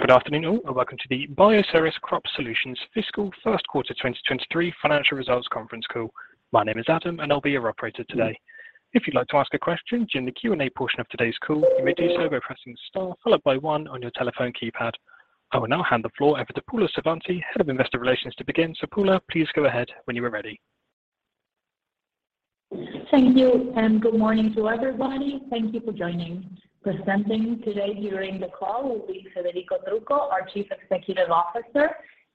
Good afternoon all, and welcome to the Bioceres Crop Solutions fiscal first quarter 2023 financial results conference call. My name is Adam, and I'll be your operator today. If you'd like to ask a question during the Q&A portion of today's call, you may do so by pressing Star followed by one on your telephone keypad. I will now hand the floor over to Paula Savanti, Head of Investor Relations, to begin. Paula, please go ahead when you are ready. Thank you, and good morning to everybody. Thank you for joining. Presenting today during the call will be Federico Trucco, our Chief Executive Officer,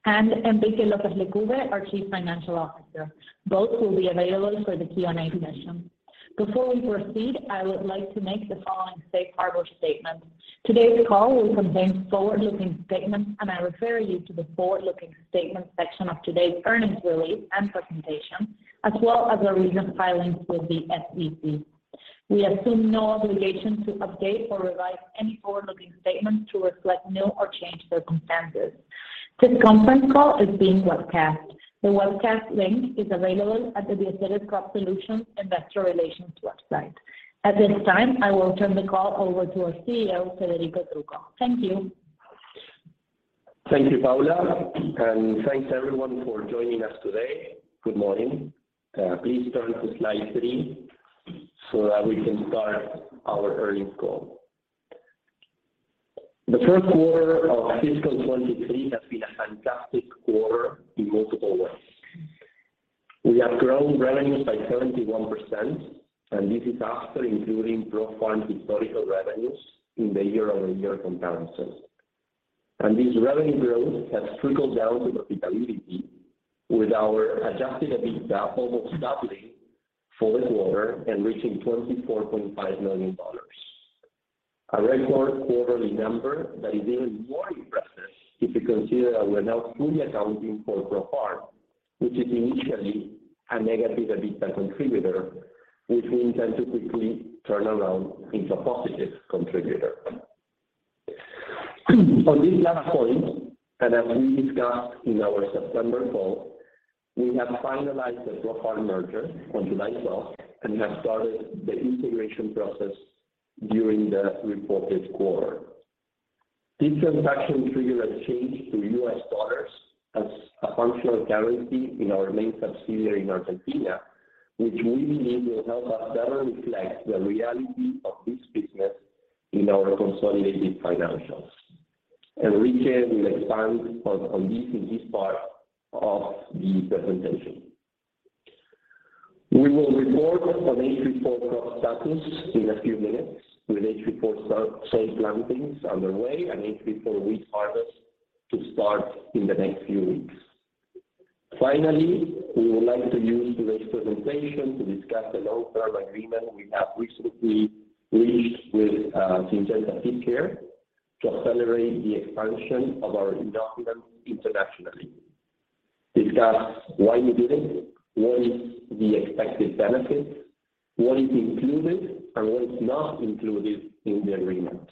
and Enrique López Lecube, our Chief Financial Officer. Both will be available for the Q&A session. Before we proceed, I would like to make the following Safe Harbor statement. Today's call will contain forward-looking statements, and I refer you to the forward-looking statements section of today's earnings release and presentation, as well as our recent filings with the SEC. We assume no obligation to update or revise any forward-looking statements to reflect new or changed circumstances. This conference call is being webcast. The webcast link is available at the Bioceres Crop Solutions Investor Relations website. At this time, I will turn the call over to our CEO, Federico Trucco. Thank you. Thank you, Paula, and thanks everyone for joining us today. Good morning. Please turn to slide three so that we can start our earnings call. The first quarter of fiscal 2023 has been a fantastic quarter in multiple ways. We have grown revenues by 71%, and this is after including ProFarm's historical revenues in the year-over-year comparisons. This revenue growth has trickled down to profitability, with our Adjusted EBITDA almost doubling for this quarter and reaching $24.5 million. A record quarterly number that is even more impressive if you consider that we're now fully accounting for ProFarm, which is initially a negative EBITDA contributor, which we intend to quickly turn around into a positive contributor. On this last point, as we discussed in our September call, we have finalized the ProFarm merger on July twelfth and have started the integration process during the reported quarter. This transaction triggered a change to US dollars as a functional currency in our main subsidiary in Argentina, which we believe will help us better reflect the reality of this business in our consolidated financials. Enrique will expand on this in his part of the presentation. We will report on HB4 crop status in a few minutes with HB4 start-safe plantings underway and HB4 wheat harvest to start in the next few weeks. Finally, we would like to use today's presentation to discuss the long-term agreement we have recently reached with Syngenta Seedcare to accelerate the expansion of our inoculants internationally. Discuss why we did it, what is the expected benefits, what is included, and what is not included in the agreement.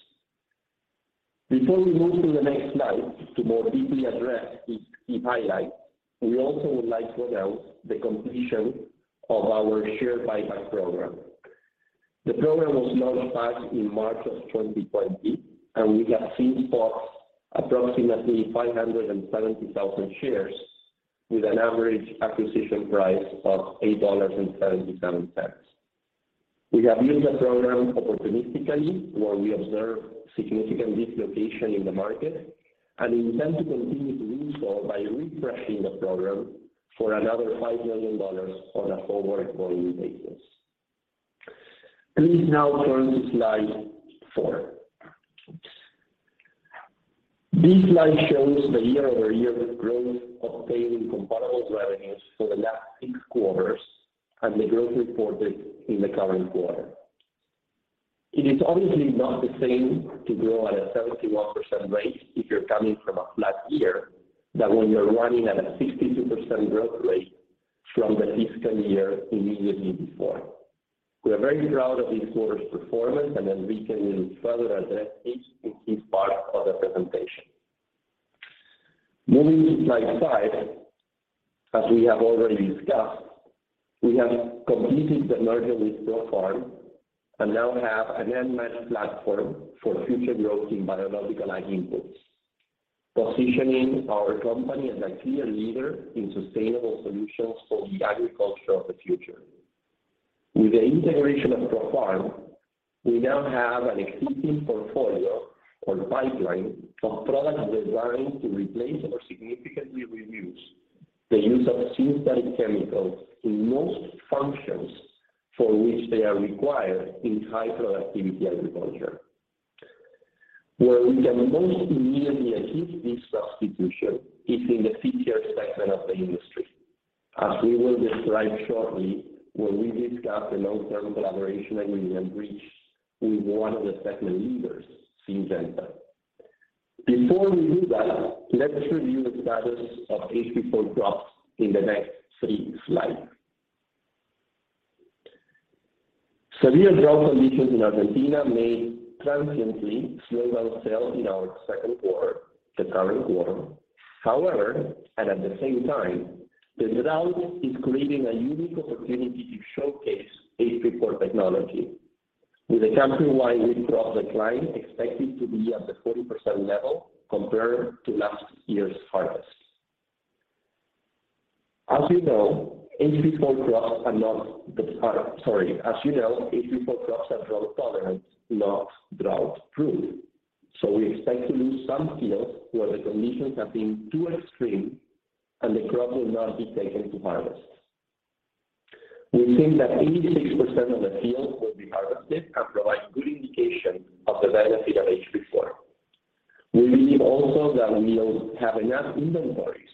Before we move to the next slide to more deeply address each key highlight, we also would like to announce the completion of our share buyback program. The program was launched back in March 2020, and we have since bought approximately 570,000 shares with an average acquisition price of $8.77. We have used the program opportunistically where we observe significant dislocation in the market, and we intend to continue to do so by refreshing the program for another $5 million on a forward-looking basis. Please now turn to slide four. This slide shows the year-over-year growth of pacing comparable revenues for the last six quarters and the growth reported in the current quarter. It is obviously not the same to grow at a 71% rate if you're coming from a flat year than when you're running at a 62% growth rate from the fiscal year immediately before. We are very proud of this quarter's performance, and Enrique will further address each in his part of the presentation. Moving to slide five. As we have already discussed, we have completed the merger with ProFarm and now have an unmatched platform for future growth in biological ag inputs, positioning our company as a clear leader in sustainable solutions for the agriculture of the future. With the integration of ProFarm, we now have an existing portfolio or pipeline of products designed to replace or significantly reduce the use of synthetic chemicals in most functions for which they are required in high productivity agriculture. Where we can most immediately achieve this substitution is in the Seedcare segment of the industry. As we will describe shortly when we discuss the long-term collaboration agreement reached with one of the segment leaders, Syngenta. Before we do that, let's review the status of HB4 crops in the next three slides. Severe drought conditions in Argentina may transiently slow down sales in our second quarter, the current quarter. However, at the same time, the drought is creating a unique opportunity to showcase HB4 technology. With a countrywide wheat crop decline expected to be at the 40% level compared to last year's harvest. As you know, HB4 crops are drought tolerant, not drought proof. So we expect to lose some fields where the conditions have been too extreme and the crop will not be taken to harvest. We think that 86% of the fields will be harvested and provide good indication of the benefit of HB4. We believe also that we'll have enough inventories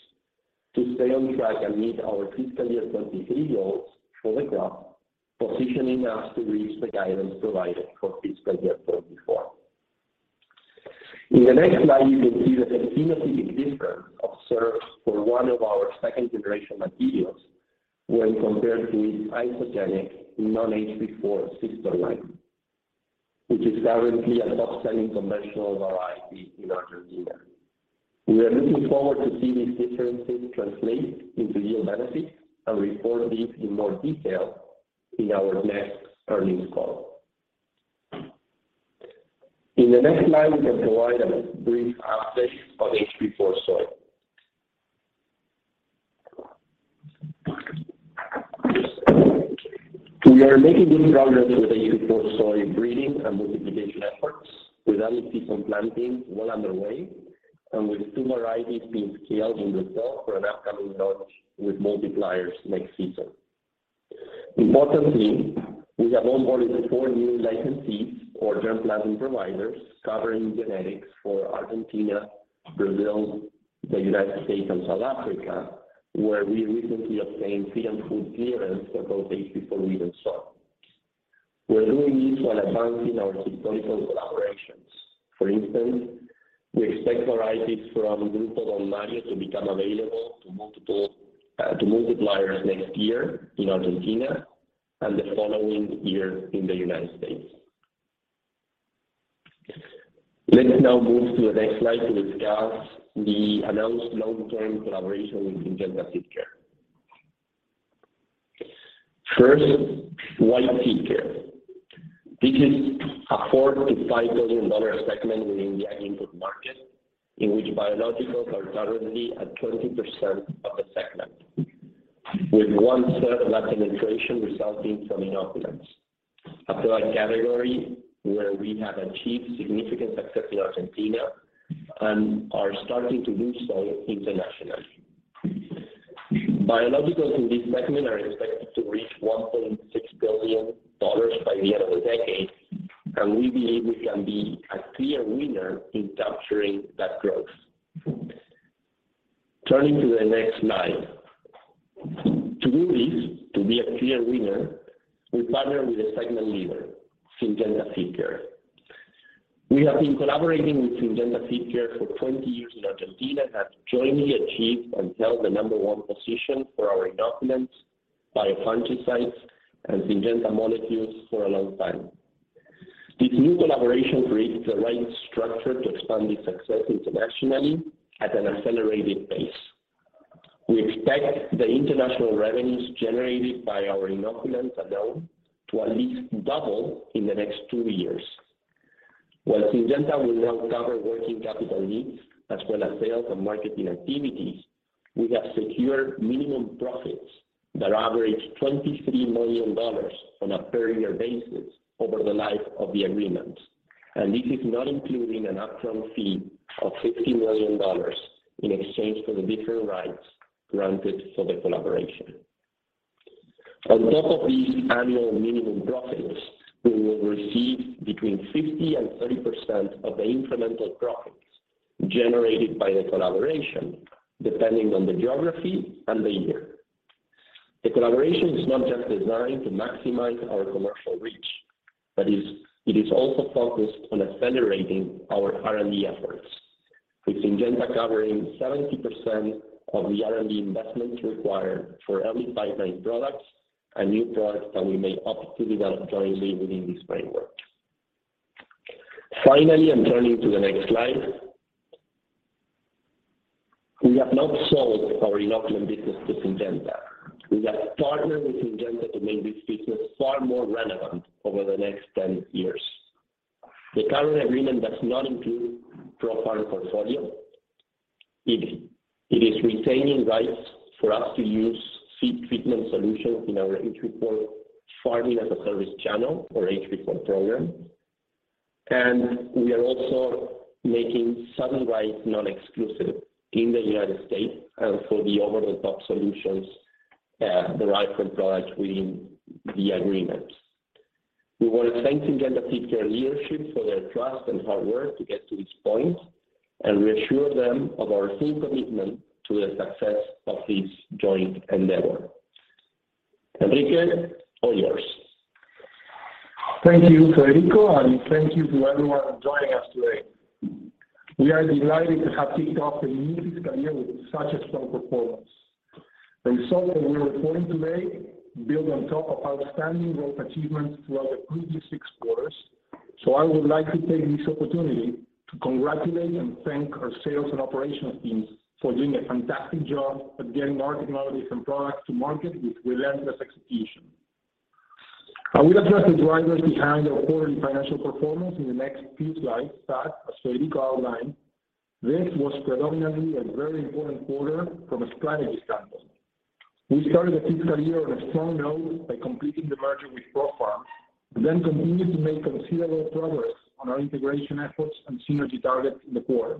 to stay on track and meet our fiscal year 2023 goals for the crop, positioning us to reach the guidance provided for fiscal year 2024. In the next slide, you can see the phenotypic difference observed for one of our second-generation materials when compared to isogenic non-HB4 sister line, which is currently a top-selling conventional variety in Argentina. We are looking forward to see these differences translate into yield benefit and report this in more detail in our next earnings call. In the next slide, we can provide a brief update on HB4 Soy. We are making good progress with HB4 Soy breeding and multiplication efforts, with out-of-season planting well underway and with two varieties being scaled in the fall for an upcoming launch with multipliers next season. Importantly, we have onboarded four new licensees or germplasm providers covering genetics for Argentina, Brazil, the United States and South Africa, where we recently obtained seed and food clearance for both HB4 Wheat and HB4 Soy. We're doing this while advancing our strategic collaborations. For instance, we expect varieties from Grupo Don Mario to become available to multiple, to multipliers next year in Argentina and the following year in the United States. Let's now move to the next slide to discuss the announced long-term collaboration with Syngenta Seedcare. First, why Seedcare? This is a $4 billion-$5 billion segment within the ag input market, in which biologicals are currently at 20% of the segment, with one-third lacking penetration resulting from inoculants. A product category where we have achieved significant success in Argentina and are starting to do so internationally. Biologicals in this segment are expected to reach $1.6 billion by the end of the decade, and we believe we can be a clear winner in capturing that growth. Turning to the next slide. To do this, to be a clear winner, we partner with a segment leader, Syngenta Seedcare. We have been collaborating with Syngenta Seedcare for 20 years in Argentina and have jointly achieved and held the number one position for our inoculants, biopesticides and Syngenta molecules for a long time. This new collaboration creates the right structure to expand this success internationally at an accelerated pace. We expect the international revenues generated by our inoculants alone to at least double in the next two years. While Syngenta will now cover working capital needs as well as sales and marketing activities, we have secured minimum profits that average $23 million on a per year basis over the life of the agreement. This is not including an upfront fee of $50 million in exchange for the different rights granted for the collaboration. On top of these annual minimum profits, we will receive between 50% and 30% of the incremental profits generated by the collaboration, depending on the geography and the year. The collaboration is not just designed to maximize our commercial reach, but it is also focused on accelerating our R&D efforts, with Syngenta covering 70% of the R&D investments required for every pipeline products and new products that we may opt to develop jointly within this framework. Finally, and turning to the next slide. We have not sold our inoculant business to Syngenta. We have partnered with Syngenta to make this business far more relevant over the next 10 years. The current agreement does not include ProFarm portfolio. It is retaining rights for us to use seed treatment solutions in our HB4 Farming as a Service channel or HB4 program. We are also making certain rights non-exclusive in the United States, for the over-the-top solutions, derived from products within the agreement. We want to thank Syngenta Seedcare leadership for their trust and hard work to get to this point, and reassure them of our full commitment to the success of this joint endeavor. Enrique, all yours. Thank you, Federico, and thank you to everyone joining us today. We are delighted to have kicked off the new fiscal year with such a strong performance. The results that we are reporting today build on top of outstanding growth achievements throughout the previous quarters. I would like to take this opportunity to congratulate and thank our sales and operational teams for doing a fantastic job at getting our technologies and products to market with relentless execution. I will address the drivers behind our quarterly financial performance in the next few slides that, as Federico outlined, this was predominantly a very important quarter from a strategy standpoint. We started the fiscal year on a strong note by completing the merger with ProFarm, then continued to make considerable progress on our integration efforts and synergy targets in the quarter.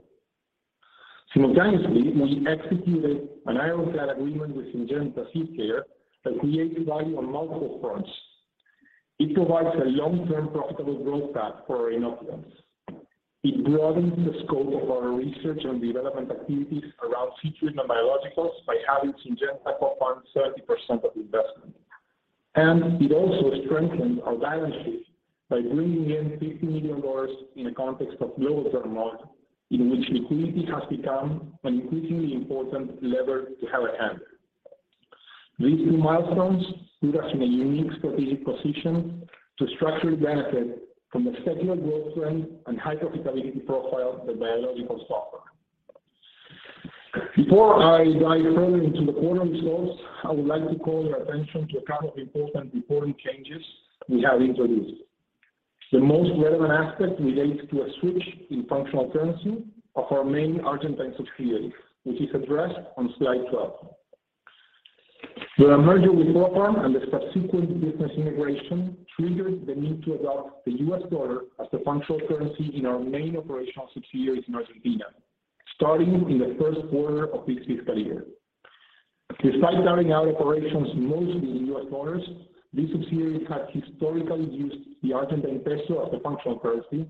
Simultaneously, we executed an ironclad agreement with Syngenta Seedcare that creates value on multiple fronts. It provides a long-term profitable growth path for inoculants. It broadens the scope of our research and development activities around seed treatment biologicals by having Syngenta co-fund 30% of the investment. It also strengthens our balance sheet by bringing in $50 million in a context of long-term loans in which liquidity has become an increasingly important lever to have at hand. These three milestones put us in a unique strategic position to structurally benefit from the secular growth trend and high profitability profile of the biologicals offer. Before I dive further into the quarter results, I would like to call your attention to a couple of important reporting changes we have introduced. The most relevant aspect relates to a switch in functional currency of our main Argentine subsidiaries, which is addressed on slide 12. The merger with ProFarm and the subsequent business integration triggered the need to adopt the US dollar as the functional currency in our main operational subsidiaries in Argentina, starting in the first quarter of this fiscal year. Despite carrying out operations mostly in U.S. dollars, these subsidiaries had historically used the Argentine peso as the functional currency,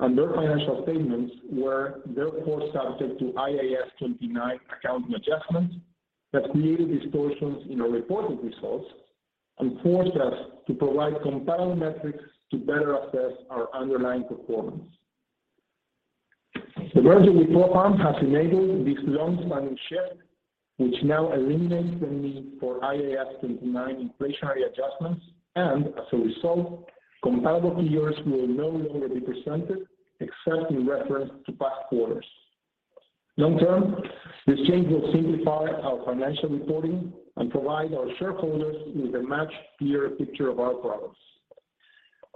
and their financial statements were therefore subject to IAS 29 accounting adjustments that created distortions in our reported results and forced us to provide compiled metrics to better assess our underlying performance. The merger with ProFarm has enabled this long-standing shift, which now eliminates the need for IAS 29 inflationary adjustments, and as a result, comparable figures will no longer be presented except in reference to past quarters. Long-term, this change will simplify our financial reporting and provide our shareholders with a much clearer picture of our progress.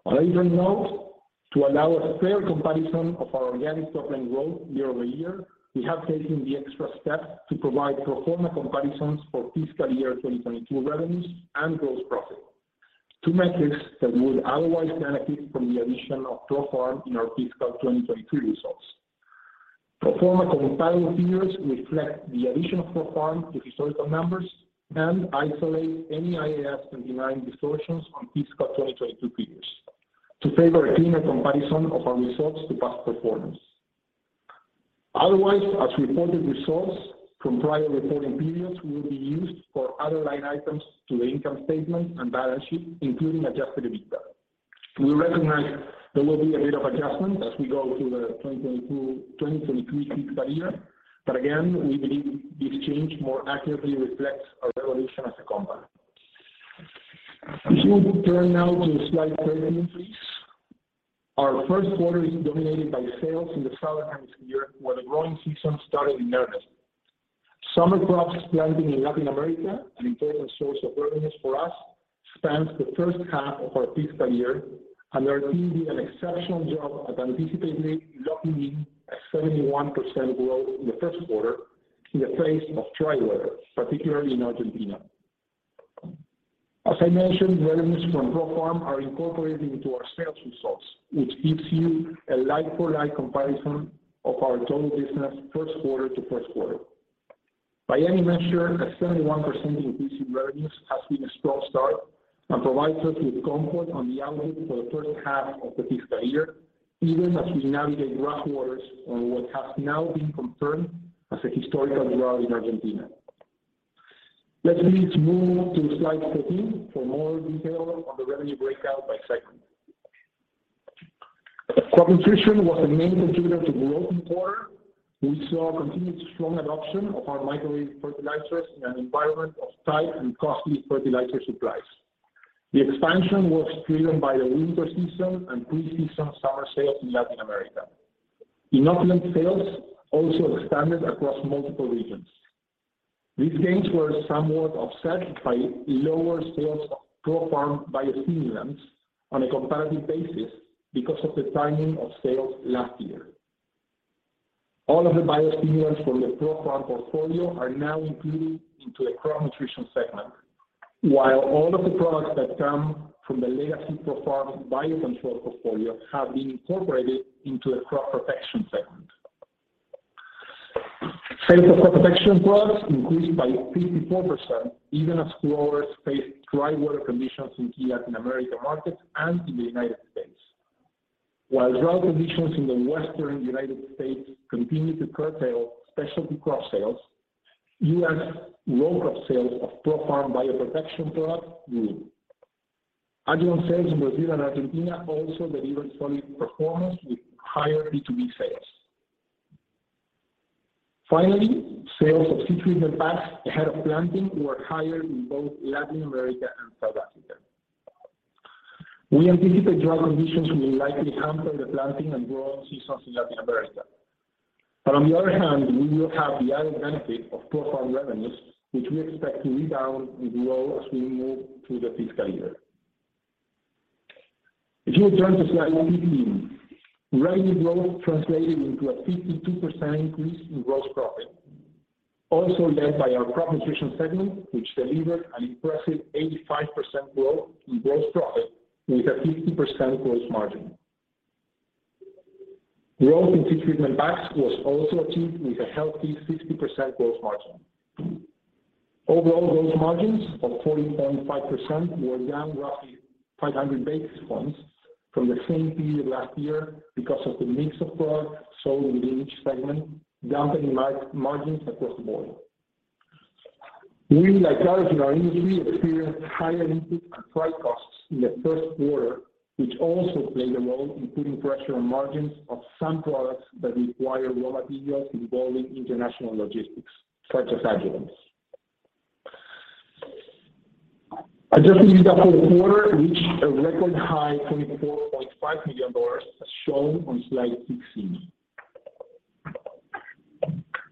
On a different note, to allow a fair comparison of our organic top-line growth year-over-year, we have taken the extra step to provide pro forma comparisons for fiscal year 2022 revenues and gross profit. Two metrics that would otherwise benefit from the addition of ProFarm in our fiscal 2022 results. Pro forma comparable figures reflect the addition of ProFarm to historical numbers and isolate any IAS 29 distortions on fiscal 2022 figures to favor a cleaner comparison of our results to past performance. Otherwise, as reported results from prior reporting periods will be used for other line items to the income statement and balance sheet, including Adjusted EBITDA. We recognize there will be a bit of adjustment as we go through the 2022, 2023 fiscal year. Again, we believe this change more accurately reflects our evolution as a company. If we would turn now to slide 13, please. Our first quarter is dominated by sales in the southern hemisphere, where the growing season started in August. Summer crops planting in Latin America, an important source of revenues for us, spans the first half of our fiscal year, and our team did an exceptional job of anticipating and locking in a 71% growth in the first quarter in the face of dry weather, particularly in Argentina. As I mentioned, revenues from ProFarm are incorporated into our sales results, which gives you a like-for-like comparison of our total business first quarter to first quarter. By any measure, a 71% increase in revenues has been a strong start and provides us with comfort on the outlook for the first half of the fiscal year, even as we navigate rough waters on what has now been confirmed as a historical drought in Argentina. Let me move to slide 13 for more detail on the revenue breakout by segment. Crop Nutrition was the main contributor to growth in the quarter. We saw continued strong adoption of our micronutrient fertilizers in an environment of tight and costly fertilizer supplies. The expansion was driven by the winter season and pre-season summer sales in Latin America. Inoculant sales also expanded across multiple regions. These gains were somewhat offset by lower sales of ProFarm biostimulants on a comparative basis because of the timing of sales last year. All of the biostimulants from the ProFarm portfolio are now included into the Crop Nutrition segment, while all of the products that come from the legacy ProFarm biocontrol portfolio have been incorporated into the crop protection segment. Sales of crop protection products increased by 54%, even as growers faced dry weather conditions in key Latin America markets and in the United States. While drought conditions in the Western United States continue to curtail specialty crop sales, U.S. row crop sales of ProFarm bioprotection products grew. Adjuvant sales in Brazil and Argentina also delivered solid performance with higher B2B sales. Finally, sales of seed treatment packs ahead of planting were higher in both Latin America and South Africa. We anticipate drought conditions will likely hamper the planting and growing seasons in Latin America. On the other hand, we will have the added benefit of ProFarm revenues, which we expect to be down in the low as we move through the fiscal year. If you turn to slide 15. Revenue growth translated into a 52% increase in gross profit, also led by our Crop Nutrition segment, which delivered an impressive 85% growth in gross profit with a 50% gross margin. Growth in seed treatment packs was also achieved with a healthy 60% gross margin. Overall gross margins of 40.5% were down roughly 500 basis points from the same period last year because of the mix of products sold within each segment, dampening margins across the board. We, like others in our industry, experienced higher input and freight costs in the first quarter, which also played a role in putting pressure on margins of some products that require raw materials involving international logistics, such as adjuvants. Adjusted EBITDA for the quarter reached a record high $24.5 million, as shown on slide 16.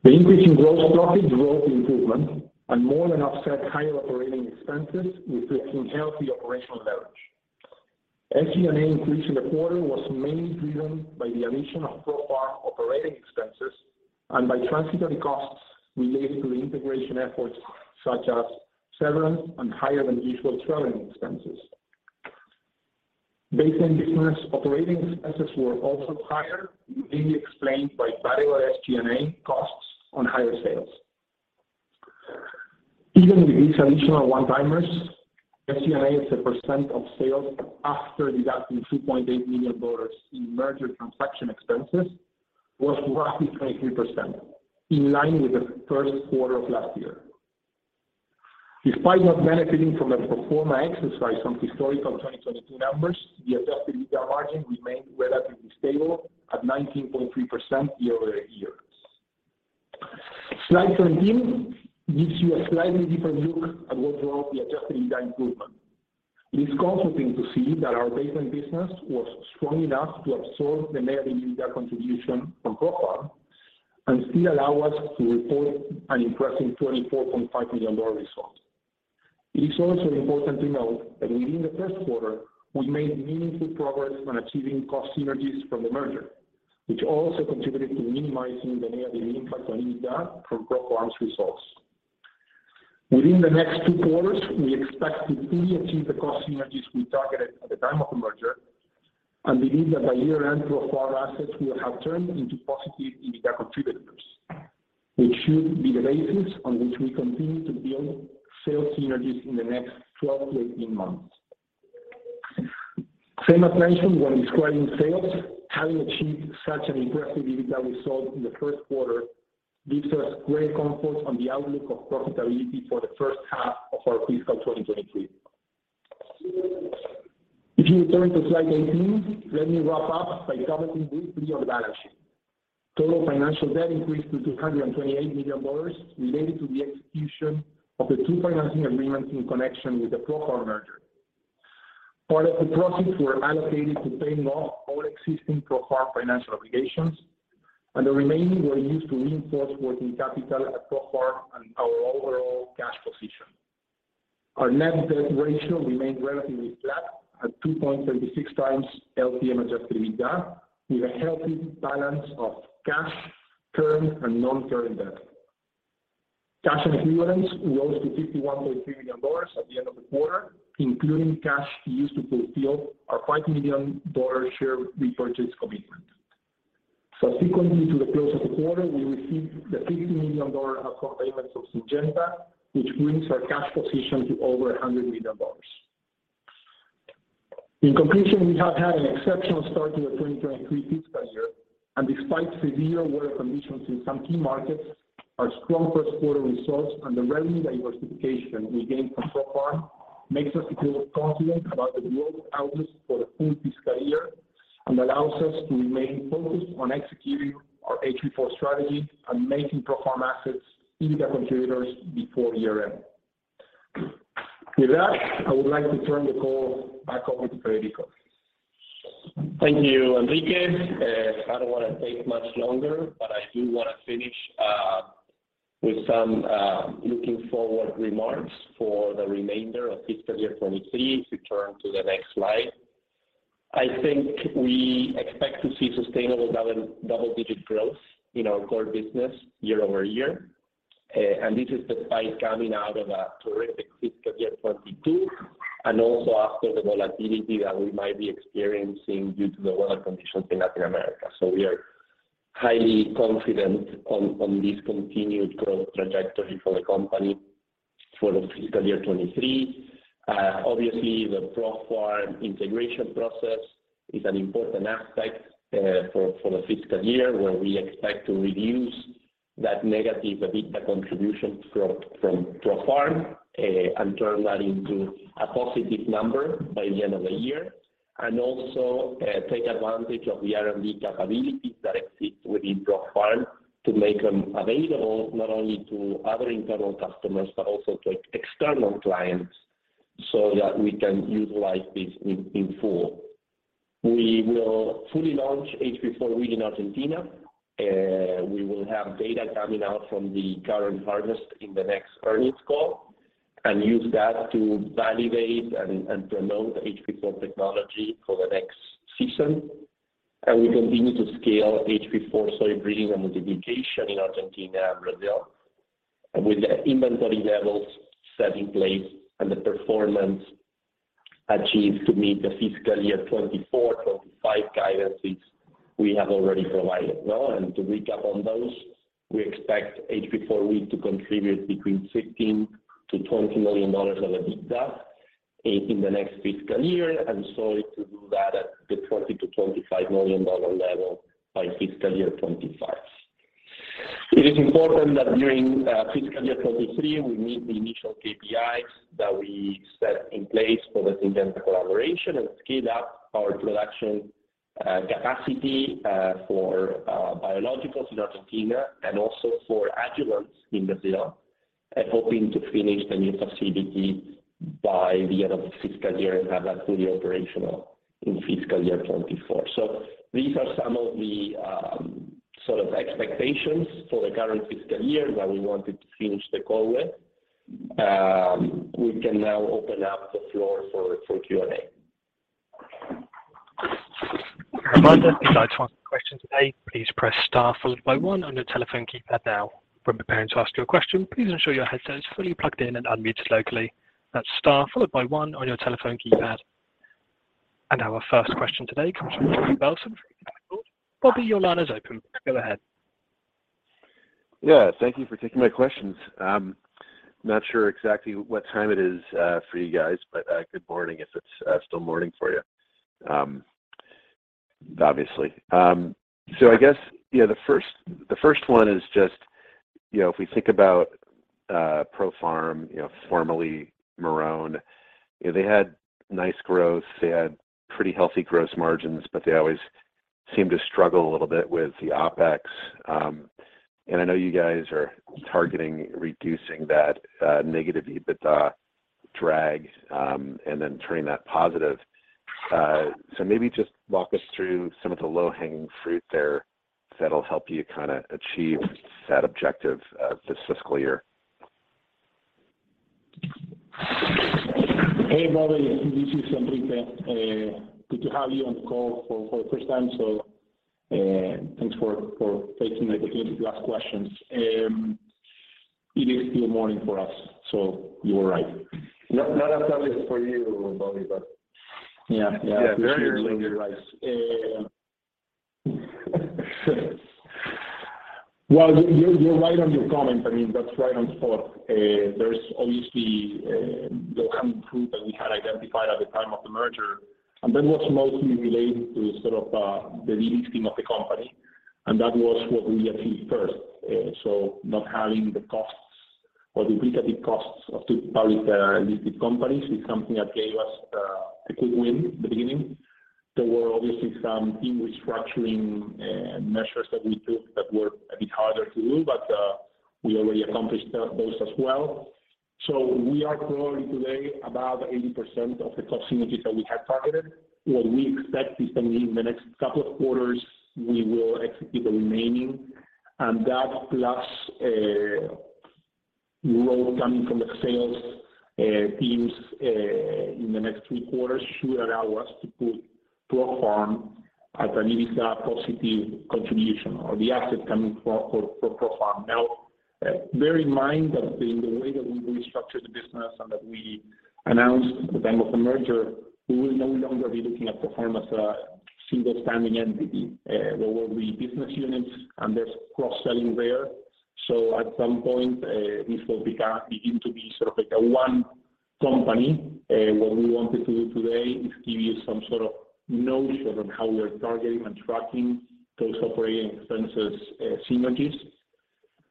The increase in gross profit drove the improvement and more than offset higher operating expenses, reflecting healthy operational leverage. SG&A increase in the quarter was mainly driven by the addition of ProFarm operating expenses and by transitory costs related to the integration efforts, such as severance and higher than usual traveling expenses. Baseline business operating expenses were also higher, mainly explained by variable SG&A costs on higher sales. Even with these additional one-timers, SG&A as a percent of sales after deducting $2.8 million in merger transaction expenses was roughly 23%, in line with the first quarter of last year. Despite not benefiting from a pro forma exercise from historical 2022 numbers, the Adjusted EBITDA margin remained relatively stable at 19.3% year-over-year. Slide 17 gives you a slightly different look at the overall Adjusted EBITDA improvement. It is comforting to see that our baseline business was strong enough to absorb the negative EBITDA contribution from ProFarm and still allow us to report an impressive $24.5 million result. It is also important to note that within the first quarter, we made meaningful progress on achieving cost synergies from the merger, which also contributed to minimizing the negative impact on EBITDA from ProFarm's results. Within the next two quarters, we expect to fully achieve the cost synergies we targeted at the time of the merger and believe that by year-end, ProFarm assets will have turned into positive EBITDA contributors, which should be the basis on which we continue to build sales synergies in the next 12-18 months. Same as mentioned when describing sales, having achieved such an impressive EBITDA result in the first quarter gives us great comfort on the outlook of profitability for the first half of our fiscal 2023. If you turn to slide 18, let me wrap up by commenting briefly on the balance sheet. Total financial debt increased to $228 million related to the execution of the two financing agreements in connection with the ProFarm merger. Part of the proceeds were allocated to paying off all existing ProFarm financial obligations, and the remaining were used to reinforce working capital at ProFarm and our overall cash position. Our net debt ratio remained relatively flat at 2.36x LTM Adjusted EBITDA, with a healthy balance of cash, current, and non-current debt. Cash and equivalents rose to $51.3 million at the end of the quarter, including cash used to fulfill our $5 million share repurchase commitment. Subsequently to the close of the quarter, we received the $50 million upfront payment from Syngenta, which brings our cash position to over $100 million. In conclusion, we have had an exceptional start to the 2023 fiscal year. Despite severe weather conditions in some key markets, our strong first quarter results and the revenue diversification we gained from ProFarm makes us feel confident about the growth outlook for the full fiscal year and allows us to remain focused on executing our HB4 strategy and making ProFarm assets EBITDA contributors before year-end. With that, I would like to turn the call back over to Federico. Thank you, Enrique. I don't want to take much longer, but I do want to finish with some looking forward remarks for the remainder of fiscal year 2023. If you turn to the next slide. I think we expect to see sustainable double-digit growth in our core business year-over-year. This is despite coming out of a terrific fiscal year 2022 and also after the volatility that we might be experiencing due to the weather conditions in Latin America. We are highly confident on this continued growth trajectory for the company for the fiscal year 2023. Obviously, the ProFarm integration process is an important aspect for the fiscal year, where we expect to reduce that negative EBITDA contribution from ProFarm and turn that into a positive number by the end of the year. Also, take advantage of the R&D capabilities that exist within ProFarm to make them available not only to other internal customers, but also to external clients so that we can utilize this in full. We will fully launch HB4 Wheat in Argentina. We will have data coming out from the current harvest in the next earnings call and use that to validate and promote HB4 technology for the next season. We continue to scale HB4 Soy breeding and multiplication in Argentina and Brazil. With the inventory levels set in place and the performance achieved to meet the fiscal year 2024, 2025 guidances we have already provided. To recap on those, we expect HB4 wheat to contribute between $16 million-$20 million of EBITDA in the next fiscal year, and soy to do that at the $20 million-$25 million level by fiscal year 2025. It is important that during fiscal year 2023, we meet the initial KPIs that we set in place for the Syngenta collaboration and scale up our production capacity for biologicals in Argentina and also for adjuvants in Brazil, hoping to finish the new facility by the end of the fiscal year and have that fully operational in fiscal year 2024. These are some of the sort of expectations for the current fiscal year that we wanted to finish the call with. We can now open up the floor for Q&A. A reminder, if you'd like to ask a question today, please press star followed by one on your telephone keypad now. When preparing to ask your question, please ensure your headset is fully plugged in and unmuted locally. That's star followed by one on your telephone keypad. Our first question today comes from Bobby Burleson from Deutsche Bank. Bobby, your line is open. Go ahead. Yeah. Thank you for taking my questions. Not sure exactly what time it is for you guys, but good morning if it's still morning for you. Obviously. I guess, yeah, the first one is just, you know, if we think about ProFarm, you know, formerly Marrone, you know, they had nice growth, they had pretty healthy gross margins, but they always seemed to struggle a little bit with the OpEx. I know you guys are targeting reducing that negative EBITDA drag, and then turning that positive. Maybe just walk us through some of the low-hanging fruit there that'll help you kinda achieve that objective this fiscal year. Hey, Bobby this is Enrique. Good to have you on the call for the first time. Thanks for taking the opportunity to ask questions. It is still morning for us, so you are right. Not as early for you, Bobby, but yeah. Yeah. Yeah. Very, very early. You're right. Well, you're right on your comment. I mean, that's right on spot. There's obviously low-hanging fruit that we had identified at the time of the merger, and that was mostly related to sort of the de-risking of the company, and that was what we achieved first. Not having the costs or the repetitive costs of two parallel listed companies is something that gave us a quick win at the beginning. There were obviously some team restructuring measures that we took that were a bit harder to do, but we already accomplished those as well. We are currently today above 80% of the cost synergies that we had targeted. What we expect is that in the next couple of quarters, we will execute the remaining. That plus growth coming from the sales teams in the next three quarters should allow us to put ProFarm at an EBITDA positive contribution or the assets coming for ProFarm. Now, bear in mind that in the way that we restructured the business and that we announced at the time of the merger, we will no longer be looking at ProFarm as a single standing entity. There will be business units and there's cross-selling there. So at some point, this will become, begin to be sort of like a one company. What we wanted to do today is give you some sort of notion on how we are targeting and tracking those operating expenses synergies.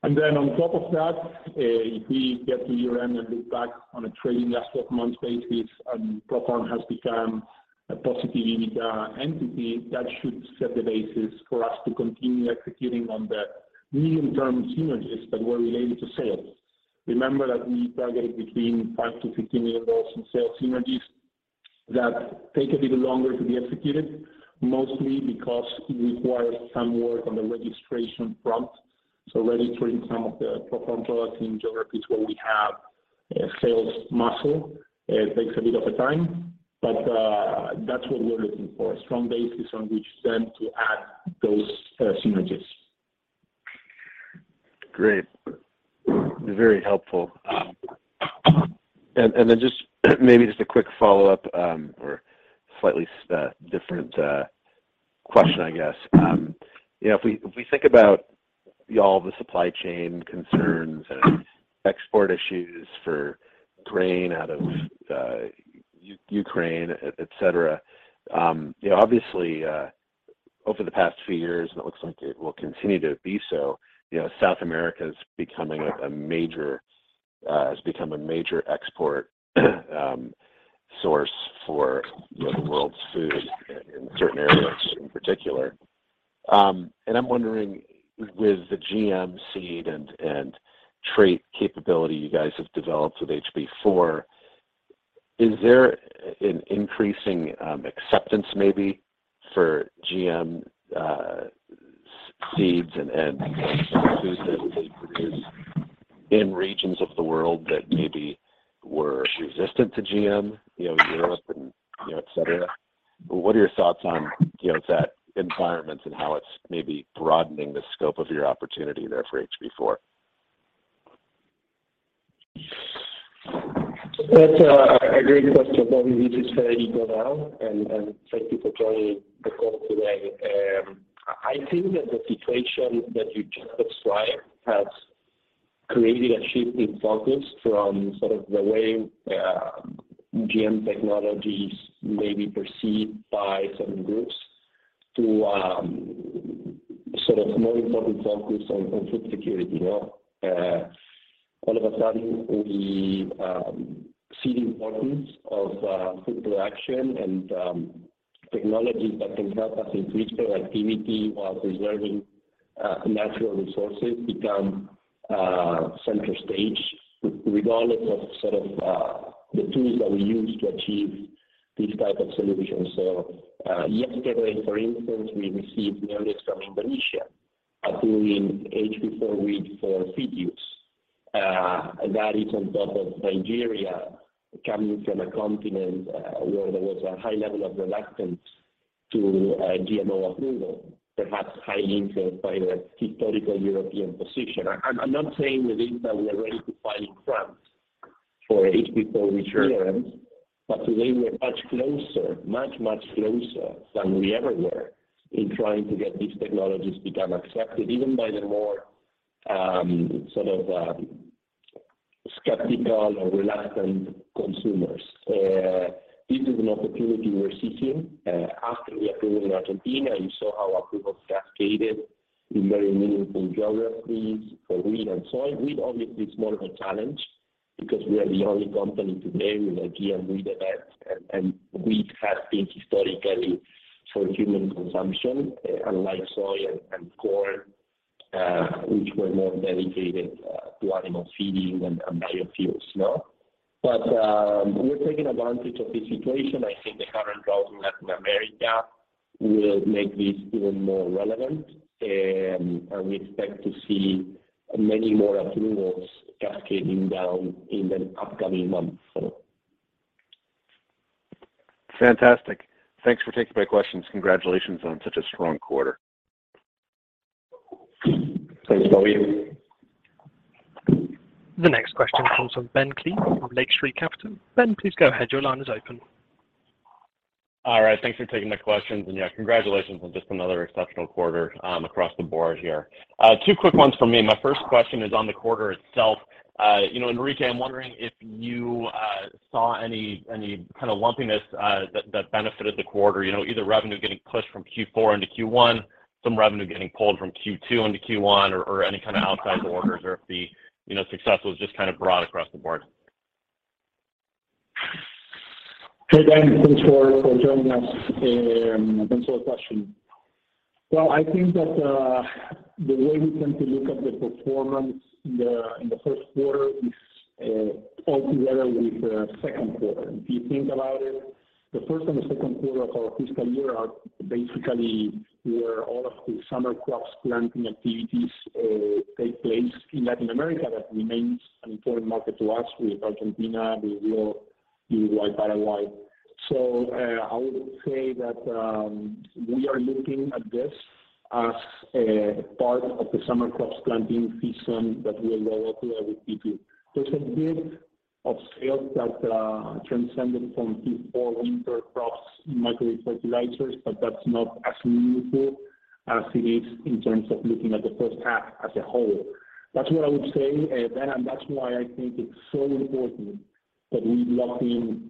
On top of that, if we get to year-end and look back on a trailing 12 months basis and ProFarm has become a positive EBITDA entity, that should set the basis for us to continue executing on the medium-term synergies that were related to sales. Remember that we targeted between $5 million-$15 million in sales synergies that take a bit longer to be executed, mostly because it requires some work on the registration front. Registering some of the ProFarm products in geographies where we have sales muscle takes a bit of a time, but that's what we're looking for, a strong basis on which then to add those synergies. Great. Very helpful. And then just, maybe just a quick follow-up, or slightly different question, I guess. You know, if we think about all the supply chain concerns and export issues for Ukraine, out of Ukraine, et cetera. You know, obviously, over the past few years, and it looks like it will continue to be so, you know, South America is becoming a major, has become a major export source for, you know, the world's food in certain areas in particular. And I'm wondering with the GM seed and trait capability you guys have developed with HB4, is there an increasing acceptance maybe for GM seeds and foods that they produce in regions of the world that maybe were resistant to GM, you know, Europe and, you know, et cetera? What are your thoughts on, you know, that environment and how it's maybe broadening the scope of your opportunity there for HB4? That's a great question. Robert, this is Federico now, and thank you for joining the call today. I think that the situation that you just described has created a shift in focus from sort of the way GM technology may be perceived by certain groups to sort of more important focus on food security. You know, all of a sudden we see the importance of food production and technologies that can help us increase their activity while preserving natural resources become center stage regardless of sort of the tools that we use to achieve these type of solutions. Yesterday, for instance, we received news from Indonesia approving HB4 Wheat for feed use. That is on top of Nigeria coming from a continent where there was a high level of reluctance to a GMO approval, perhaps highly influenced by the historical European position. I'm not saying that we are ready to file in France for HB4 wheat clearance, but today we are much closer than we ever were in trying to get these technologies become accepted even by the more sort of skeptical or reluctant consumers. This is an opportunity we're seeking. After the approval in Argentina, you saw how approval cascaded in very meaningful geographies for wheat and soy. Wheat obviously is more of a challenge because we are the only company today with a GM wheat event and wheat has been historically for human consumption unlike soy and corn which were more dedicated to animal feeding and biofuels. No? We're taking advantage of this situation. I think the current drought in Latin America will make this even more relevant and we expect to see many more approvals cascading down in the upcoming months. Fantastic. Thanks for taking my questions. Congratulations on such a strong quarter. Thanks, Bobby. The next question comes from Ben Klieve from Lake Street Capital. Ben, please go ahead. Your line is open. All right. Thanks for taking the questions. Yeah, congratulations on just another exceptional quarter across the board here. Two quick ones from me. My first question is on the quarter itself. You know, Enrique, I'm wondering if you saw any kind of lumpiness that benefited the quarter. You know, either revenue getting pushed from Q4 into Q1, some revenue getting pulled from Q2 into Q1 or any kind of outsized orders or if the success was just kind of broad across the board. Hey, Ben, thanks for joining us and thanks for the question. Well, I think that the way we tend to look at the performance in the first quarter is all together with the second quarter. If you think about it, the first and the second quarter of our fiscal year are basically where all of the summer crops planting activities take place in Latin America. That remains an important market to us with Argentina, with Brazil, Uruguay, Paraguay. I would say that we are looking at this as a part of the summer crops planting season that will roll through with Q2. There's a bit of sales that transcended from Q4 winter crops in micro-beaded fertilizers, but that's not as meaningful as it is in terms of looking at the first half as a whole. That's what I would say, Ben, and that's why I think it's so important that we lock in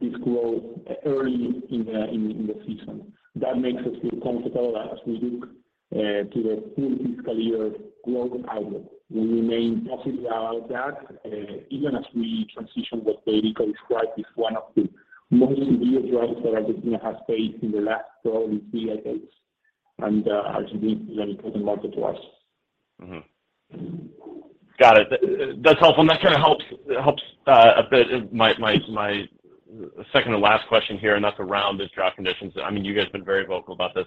this growth early in the season. That makes us feel comfortable as we look to the full fiscal year growth outlook. We remain positive about that, even as we transition what Federico described as one of the most severe droughts that Argentina has faced in the last probably three decades, and Argentina is an important market to us. Got it. That's helpful, and that kind of helps a bit my second-to-last question here, and that's around the drought conditions. I mean, you guys have been very vocal about this.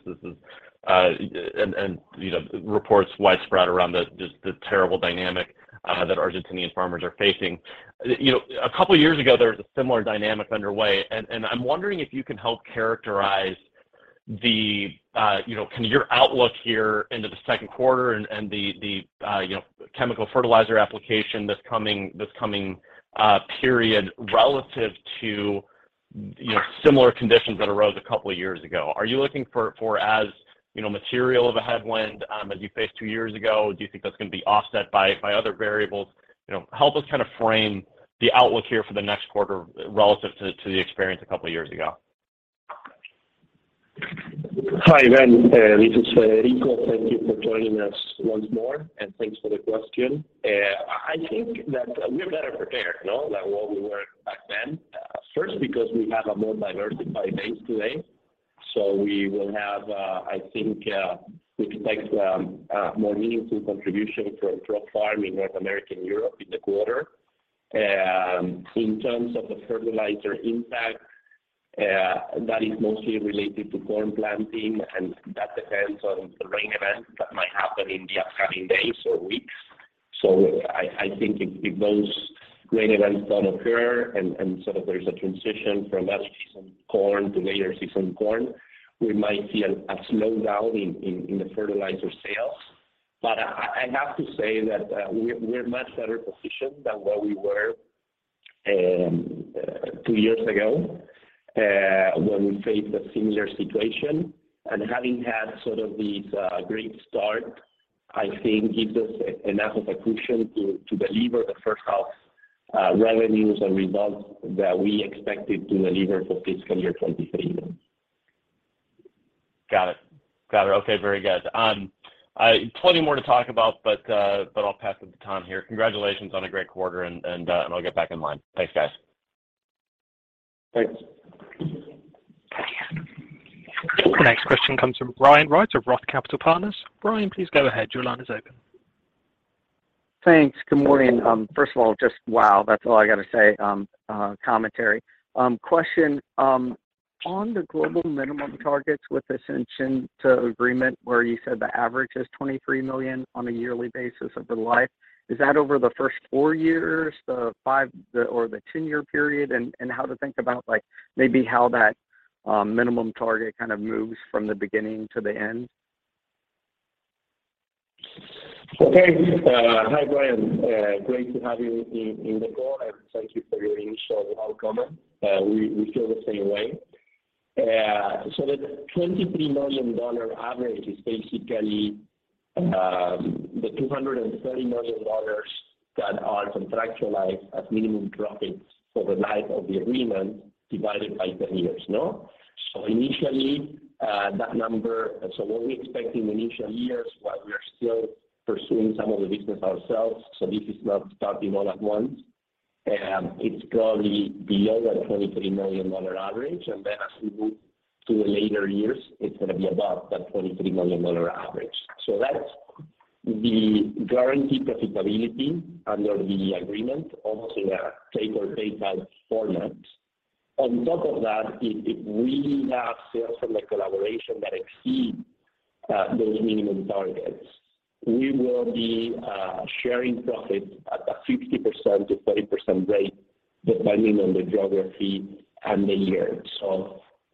This is, you know, reports widespread around just the terrible dynamic that Argentine farmers are facing. You know, a couple of years ago, there was a similar dynamic underway, and I'm wondering if you can help characterize the, you know, kind of your outlook here into the second quarter and the, you know, chemical fertilizer application this coming period relative to You know, similar conditions that arose a couple of years ago. Are you looking for as material a headwind as you faced two years ago? Do you think that's gonna be offset by other variables? You know, help us kind of frame the outlook here for the next quarter relative to the experience a couple years ago. Hi, Ben. This is Federico. Thank you for joining us once more, and thanks for the question. I think that we're better prepared than what we were back then. First, because we have a more diversified base today, we will have, I think, we expect more meaningful contribution from ProFarm in North America and Europe in the quarter. In terms of the fertilizer impact, that is mostly related to corn planting, and that depends on the rain event that might happen in the upcoming days or weeks. I think if those rain events don't occur and so there's a transition from early season corn to later season corn, we might see a slowdown in the fertilizer sales. I have to say that we're much better positioned than what we were two years ago when we faced a similar situation. Having had this great start, I think gives us enough of a cushion to deliver the first half revenues and results that we expected to deliver for fiscal year 2020. Got it. Okay. Very good. Plenty more to talk about, but I'll pass over Tom here. Congratulations on a great quarter and I'll get back in line. Thanks, guys. Thanks. The next question comes from Brian Wright of ROTH Capital Partners. Brian, please go ahead. Your line is open. Thanks. Good morning. First of all, just wow, that's all I got to say, commentary. Question on the global minimum tax with accession to agreement, where you said the average is $23 million on a yearly basis over life, is that over the first four years, the five or the 10-year period, and how to think about like maybe how that minimum target kind of moves from the beginning to the end? Okay. Hi, Brian. Great to have you on the call, and thank you for your initial welcome. We feel the same way. The $23 million average is basically the $230 million that are contractualized as minimum profits for the life of the agreement divided by 10 years, no? Initially, what we expect in initial years while we are still pursuing some of the business ourselves, this is not starting all at once, it's probably below a $23 million average. Then as we move to the later years, it's gonna be above that $23 million average. That's the guaranteed profitability under the agreement, almost in a take or pay type format. On top of that, if we have sales from the collaboration that exceed those minimum targets, we will be sharing profits at a 50%-40% rate depending on the geography and the year.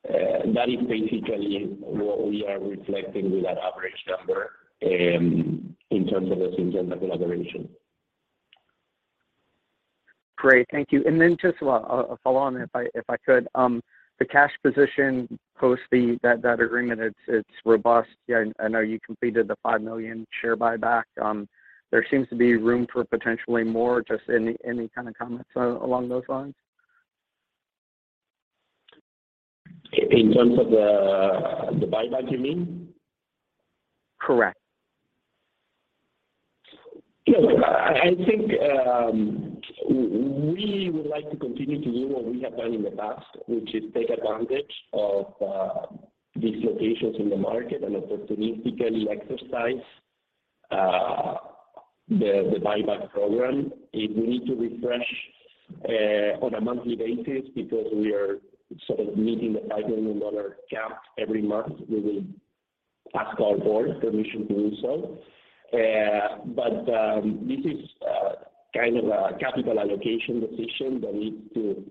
That is basically what we are reflecting with that average number in terms of the Syngenta collaboration. Great. Thank you. Just a follow-on if I could. The cash position post that agreement, it's robust. Yeah, I know you completed the 5 million share buyback. There seems to be room for potentially more. Just any kind of comments along those lines? In terms of the buyback, you mean? Correct. Look, I think we would like to continue to do what we have done in the past, which is take advantage of dislocations in the market and opportunistically exercise the buyback program. If we need to refresh on a monthly basis because we are sort of meeting the $5 million cap every month, we will ask our board permission to do so. This is kind of a capital allocation decision that needs to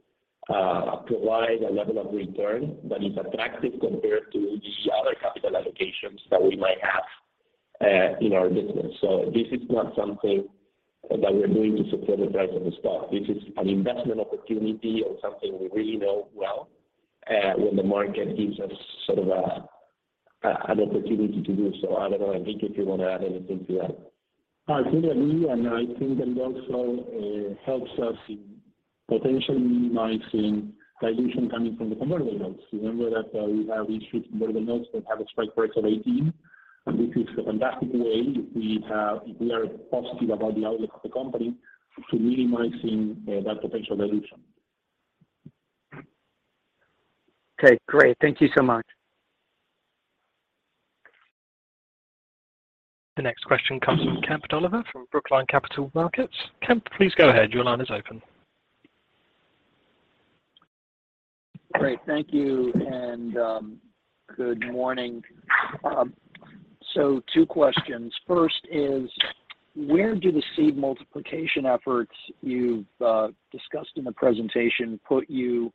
provide a level of return that is attractive compared to the other capital allocations that we might have in our business. This is not something that we're doing to support the price of the stock. This is an investment opportunity on something we really know well when the market gives us sort of an opportunity to do so. I don't know, Enrique, if you want to add anything to that. I fully agree, and I think it also helps us in potentially minimizing dilution coming from the convertible notes. Remember that we have issued convertible notes that have a strike price of 18, and this is a fantastic way we are positive about the outlook of the company to minimizing that potential dilution. Okay. Great. Thank you so much. The next question comes from Kemp Dolliver from Brookline Capital Markets. Kemp, please go ahead. Your line is open. Great. Thank you, and good morning. Two questions. First is, where do the seed multiplication efforts you've discussed in the presentation put you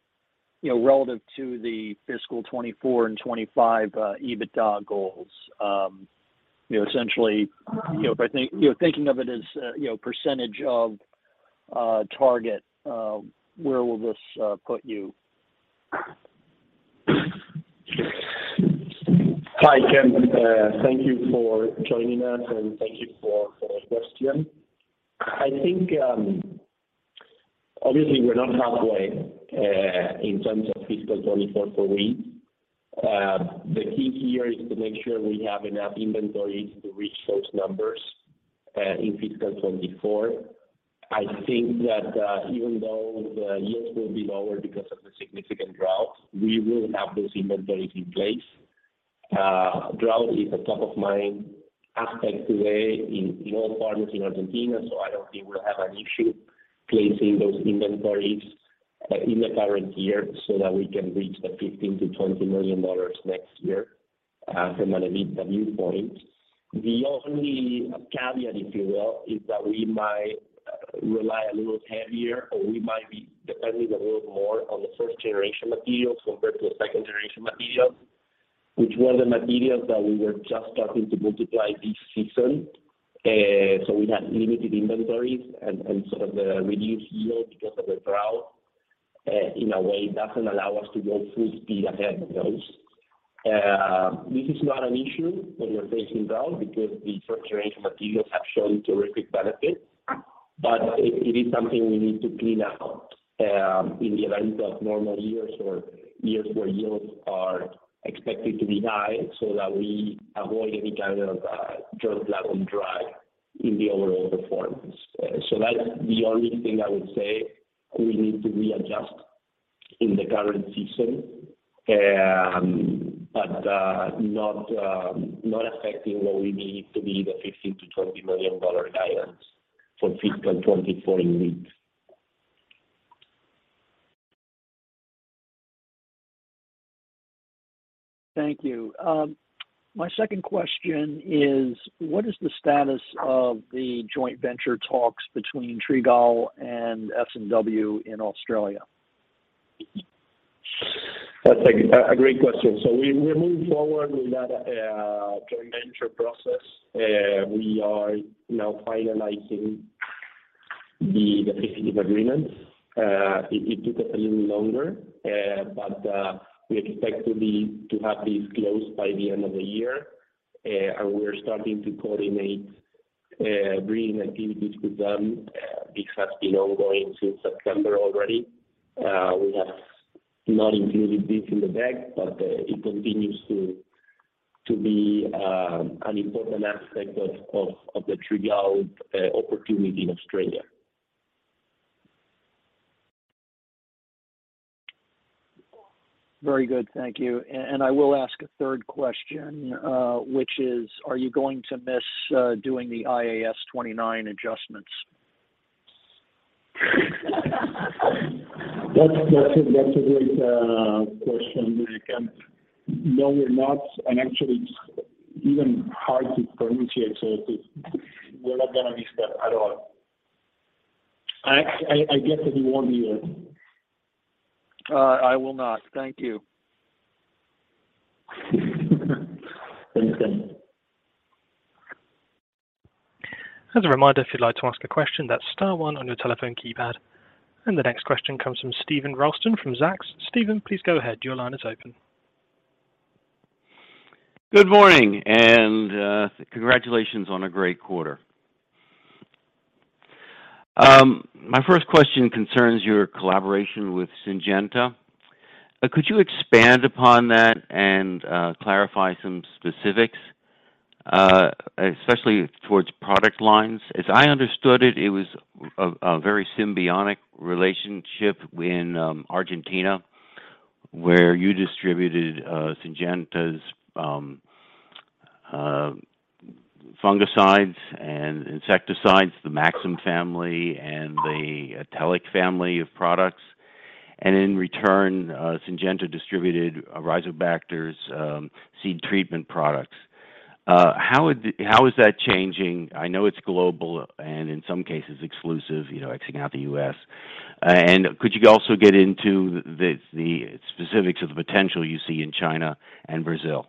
know, relative to the fiscal 2024 and 2025 EBITDA goals? You know, essentially, you know, if I think, you know, thinking of it as, you know, percentage of target, where will this put you? Hi, Kemp. Thank you for joining us, and thank you for the question. I think, obviously we're not halfway in terms of fiscal 2024 for wheat. The key here is to make sure we have enough inventories to reach those numbers in fiscal 2024. I think that even though the yields will be lower because of the significant drought, we will have those inventories in place. Drought is a top of mind aspect today in all partners in Argentina, so I don't think we'll have an issue placing those inventories in the current year so that we can reach the $15 million-$20 million next year from an EBITDA viewpoint. The only caveat, if you will, is that we might rely a little heavier, or we might be depending a little more on the first generation materials compared to the second generation materials, which were the materials that we were just starting to multiply this season. We have limited inventories, and so the reduced yield because of the drought, in a way, doesn't allow us to go full speed ahead with those. This is not an issue when you're facing drought because the first generation materials have shown terrific benefits. It is something we need to clean up in the event of normal years or years where yields are expected to be high, so that we avoid any kind of yield drag in the overall performance. That's the only thing I would say we need to readjust in the current season, but not affecting what we need to be the $15 million-$20 million guidance for fiscal 2024 needs. Thank you. My second question is, what is the status of the joint venture talks between Trigall and S&W in Australia? That's a great question. We're moving forward with that joint venture process. We are now finalizing the definitive agreements. It took us a little longer, but we expect to have these closed by the end of the year. We're starting to coordinate bringing activities with them, which has been ongoing since September already. We have not included this in the backlog, but it continues to be an important aspect of the Trigall opportunity in Australia. Very good. Thank you. I will ask a third question, which is, are you going to miss doing the IAS 29 adjustments? That's a great question, Kemp. No, we're not. Actually, it's even hard to pronounce. We're not gonna miss that at all. I guess if you want me to. I will not. Thank you. Thanks, Kemp. As a reminder, if you'd like to ask a question, that's star one on your telephone keypad. The next question comes from Steven Ralston from Zacks. Steven, please go ahead. Your line is open. Good morning, congratulations on a great quarter. My first question concerns your collaboration with Syngenta. Could you expand upon that and clarify some specifics, especially towards product lines? As I understood it was a very symbiotic relationship in Argentina, where you distributed Syngenta's fungicides and insecticides, the Maxim family and the Actellic family of products. In return, Syngenta distributed Rizobacter's seed treatment products. How is that changing? I know it's global and in some cases exclusive, you know, excluding the U.S. Could you also get into the specifics of the potential you see in China and Brazil?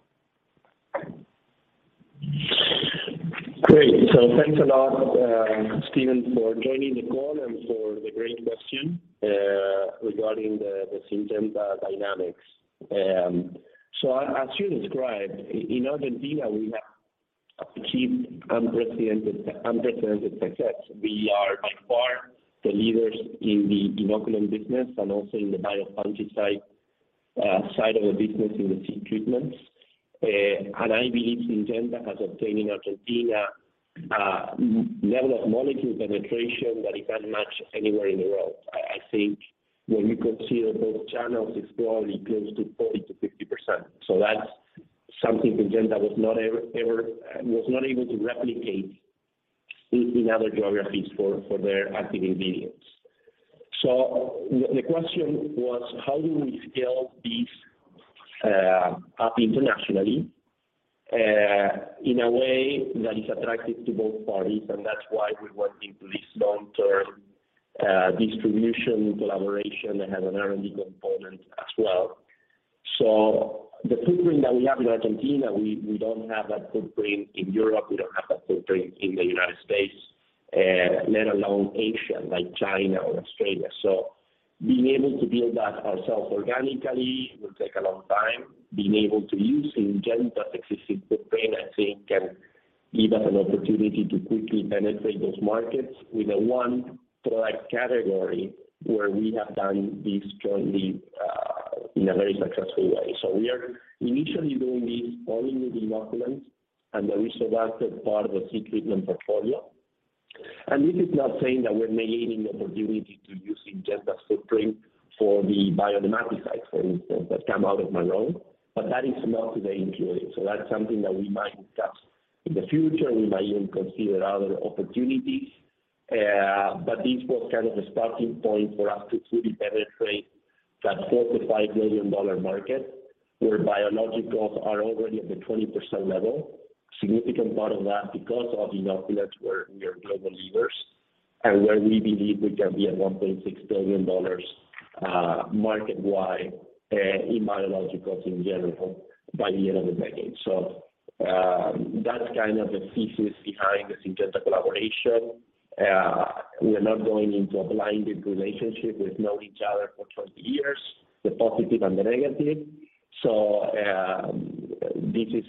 Great. Thanks a lot, Steven, for joining the call and for the great question, regarding the Syngenta dynamics. As you described, in Argentina, we have achieved unprecedented success. We are by far the leaders in the inoculant business and also in the biopesticide side of the business in the seed treatments. I believe Syngenta has obtained in Argentina a level of molecule penetration that it can't match anywhere in the world. I think when you consider both channels, it's probably close to 40%-50%. That's something Syngenta was not able to replicate in other geographies for their active ingredients. The question was how do we scale these up internationally in a way that is attractive to both parties? That's why we went into this long-term distribution collaboration that has an R&D component as well. The footprint that we have in Argentina, we don't have that footprint in Europe, we don't have that footprint in the United States, let alone Asia, like China or Australia. Being able to build that ourselves organically will take a long time. Being able to use Syngenta's existing footprint, I think can give us an opportunity to quickly penetrate those markets with a one product category where we have done this jointly in a very successful way. We are initially doing this only with inoculants and the Rizobacter part of the seed treatment portfolio. This is not saying that we're negating the opportunity to use Syngenta's footprint for the biopesticides, for instance, that come out of Marrone, but that is not today included. That's something that we might discuss in the future. We might even consider other opportunities. This was kind of the starting point for us to truly penetrate that $4 million-$5 million market where biologicals are already at the 20% level. Significant part of that because of inoculants, where we are global leaders, and where we believe we can be at $1.6 billion, market-wide, in biological in general by the end of the decade. That's kind of the thesis behind the Syngenta collaboration. We are not going into a blinded relationship. We've known each other for 20 years, the positive and the negative. This is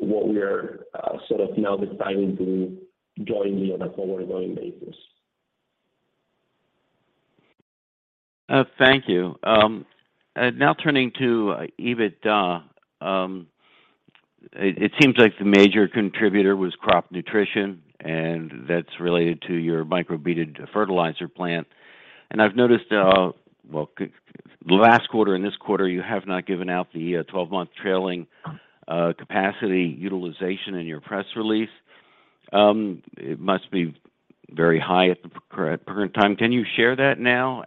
what we are, sort of now deciding to join me on a forward-going basis. Thank you. Now turning to EBITDA. It seems like the major contributor was Crop Nutrition, and that's related to your micro-beaded fertilizer plant. I've noticed, well, last quarter and this quarter, you have not given out the 12-month trailing capacity utilization in your press release. It must be very high at the present time. Can you share that now?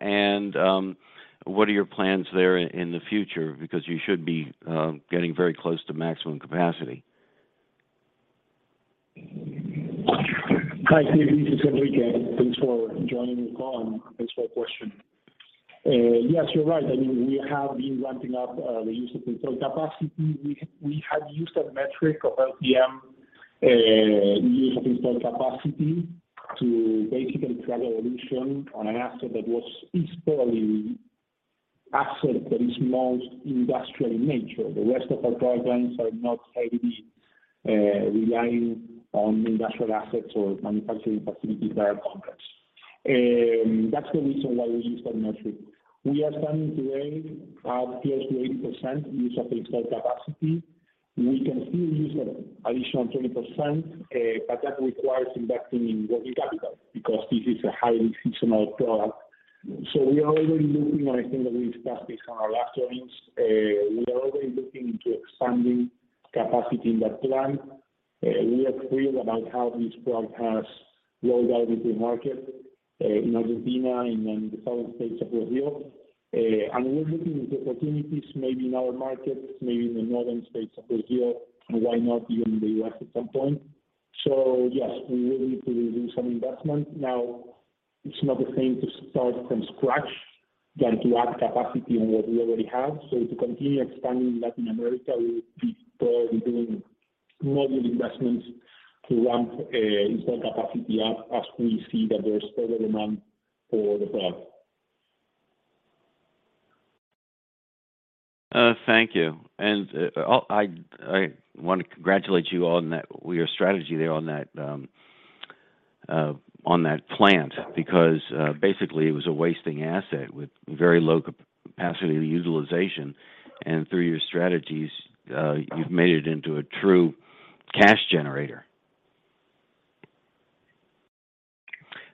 What are your plans there in the future? Because you should be getting very close to maximum capacity. Hi, Steve. This is Federico. Thanks for joining the call, and thanks for your question. Yes, you're right. I mean, we have been ramping up the use of installed capacity. We had used a metric of LTM use of installed capacity to basically drive evolution on an asset that is most industrial in nature. The rest of our programs are not heavy relying on industrial assets or manufacturing facilities that are complex. That's the reason why we use that metric. We are standing today at close to 80% use of installed capacity. We can still use additional 20%, but that requires investing in working capital because this is a highly seasonal product. We are already looking, and I think that we discussed this on our last earnings. We are already looking into expanding capacity in that plant. We are thrilled about how this product has rolled out into the market in Argentina and in the southern states of Brazil. We're looking into opportunities maybe in other markets, maybe in the northern states of Brazil, and why not even the U.S. at some point. Yes, we will need to do some investment. Now, it's not the same to start from scratch than to add capacity on what we already have. To continue expanding Latin America, we would be still doing module investments to ramp installed capacity up as we see that there's further demand for the product. Thank you. I want to congratulate you on that, your strategy there on that plant, because basically it was a wasting asset with very low capacity utilization. Through your strategies, you've made it into a true cash generator.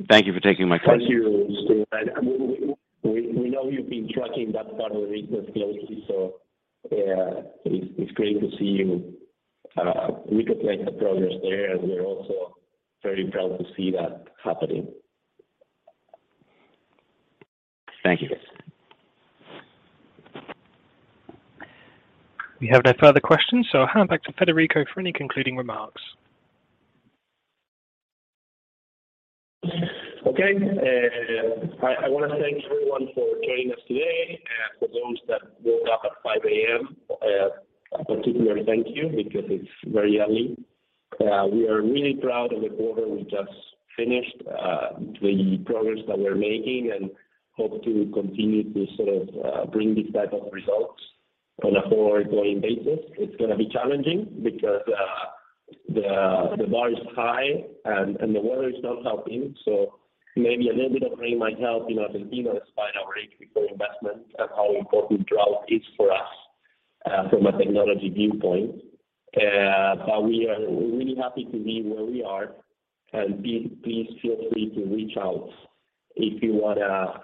Thank you for taking my call. Thank you, Steve. I mean, we know you've been tracking that part of the business closely, so it's great to see you recognize the progress there. We're also very proud to see that happening. Thank you. We have no further questions, so I'll hand back to Federico for any concluding remarks. Okay. I wanna thank everyone for joining us today. For those that woke up at 5:00 A.M., a particular thank you because it's very early. We are really proud of the quarter we just finished, the progress that we're making, and hope to continue to sort of bring this type of results on a forward-going basis. It's gonna be challenging because the bar is high and the weather is not helping, so maybe a little bit of rain might help in Argentina despite our record investment. That's how important drought is for us from a technology viewpoint. But we are really happy to be where we are. Please feel free to reach out if you want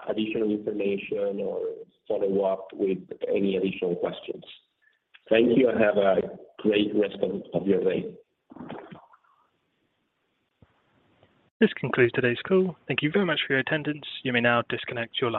additional information or follow up with any additional questions. Thank you, and have a great rest of your day. This concludes today's call. Thank you very much for your attendance. You may now disconnect your line.